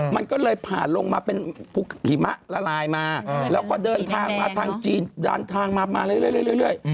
มันก็เลยผ่านลงมาเป็นภูหิมะละลายมาแล้วก็เดินทางมาทางจีนเดินทางมามาเรื่อย